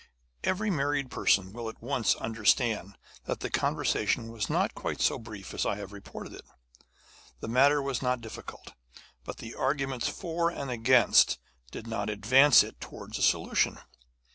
Every married person will at once understand that the conversation was not quite so brief as I have reported it. The matter was not difficult, but the arguments for and against did not advance it towards a solution.